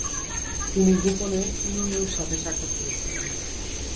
তিনি গোপনে ইনোনুর সাথে সাক্ষাত করেছিলেন।